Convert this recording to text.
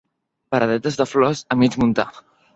Paradetes de flors a mig muntar.